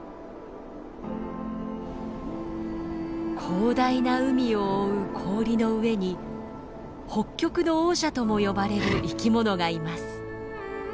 広大な海を覆う氷の上に北極の王者とも呼ばれる生きものがいます。